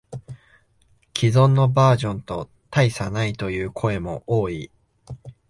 既存のバージョンと大差ないという声も多い